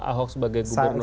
ahok sebagai gubernur nama